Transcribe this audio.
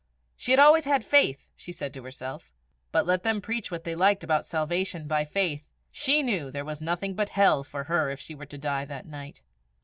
She had always had faith, she said to herself; but let them preach what they liked about salvation by faith, she knew there was nothing but hell for her if she were to die that night.